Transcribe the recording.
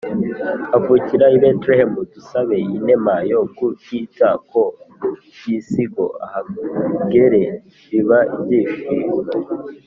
avukira i betelehemu: dusabe inema yo kutita ku by’isingo ahagere biba ibyishimo